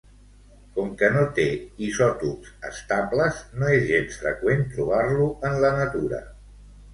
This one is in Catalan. Com que no té isòtops estables, no és gens freqüent trobar-lo en la natura.